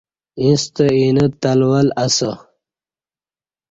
ایںستہ اینہ تلول اسہ